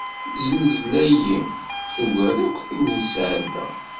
Zznezla-yi tugar akk tid nesɛedda.